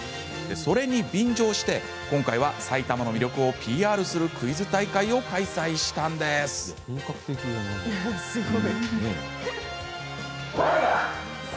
それに便乗して、今回は埼玉の魅力をＰＲするクイズ大会を開催したんです。